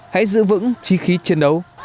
hãy giữ vững chi khí chiến đấu